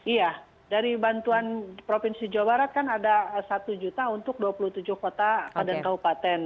iya dari bantuan provinsi jawa barat kan ada satu juta untuk dua puluh tujuh kota dan kabupaten